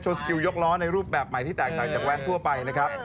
สกิลยกล้อในรูปแบบใหม่ที่แตกต่างจากแว้นทั่วไปนะครับ